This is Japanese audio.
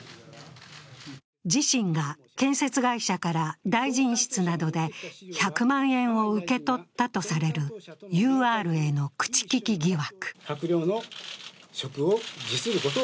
自身が建設会社から大臣室などで１００万円を受け取ったとされるＵＲへの口利き疑惑。